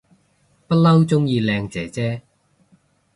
不嬲鍾意靚姐姐